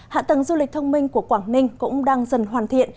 hạ tầng du lịch thông minh của quảng ninh cũng đang dần hoàn thiện